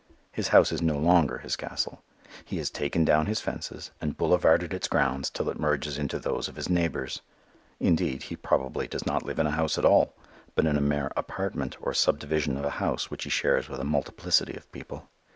His house is no longer his castle. He has taken down its fences, and "boulevarded" its grounds till it merges into those of his neighbors. Indeed he probably does not live in a house at all, but in a mere "apartment" or subdivision of a house which he shares with a multiplicity of people.